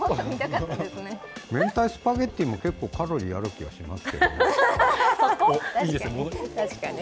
明太スパゲッティも結構カロリーがある気がします。